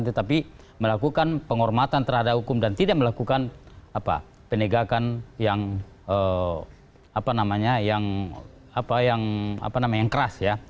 tetapi melakukan penghormatan terhadap hukum dan tidak melakukan penegakan yang keras ya